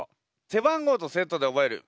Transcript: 背番号とセットで覚える。